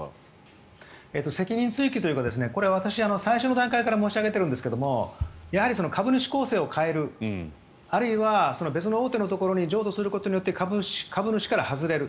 責任追及というか私はこれ最初の段階から申し上げているんですがやはり株主構成を変えるあるいは別の大手のところに譲渡することによって株主から外れる。